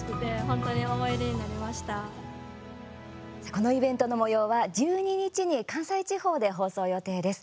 このイベントのもようは１２日に関西地方で放送予定です。